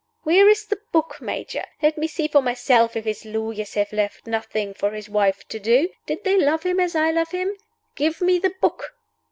Where is the book, Major? Let me see for myself if his lawyers have left nothing for his wife to do. Did they love him as I love him? Give me the book!"